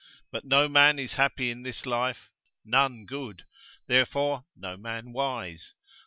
But no man is happy in this life, none good, therefore no man wise.